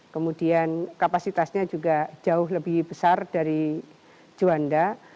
kemudian kapasitasnya juga jauh lebih besar dari juanda